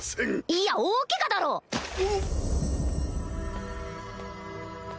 いや大ケガだろ！うっ。